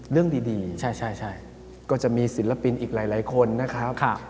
เรื่องดีใช่ก็จะมีศิลปินอีกหลายคนนะครับ